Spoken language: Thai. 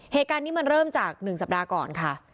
เหตุการณ์นี้มันเริ่มจาก๑สัปดาห์ก่อนค่ะ